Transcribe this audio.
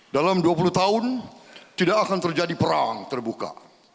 dalam dua puluh tahun tidak akan terjadi perang terbuka